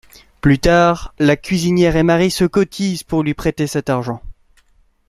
Plus tard, la cuisinière et Mary se cotisent pour lui prêter cet argent.